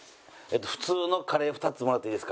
普通のカレー２つもらっていいですか？